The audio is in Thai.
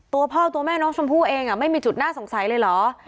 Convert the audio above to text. ตัวพ่อตัวแม่น้องชมพู่เองไม่มีจุดน่าสงสัยเลยเหรอ